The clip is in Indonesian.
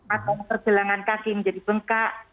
atau pergelangan kaki menjadi bengkak